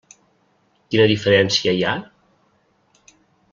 Quina diferència hi ha?